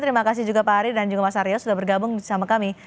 terima kasih juga pak ari dan juga mas aryo sudah bergabung bersama kami